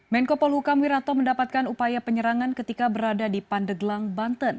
menko polhukam wiranto mendapatkan upaya penyerangan ketika berada di pandeglang banten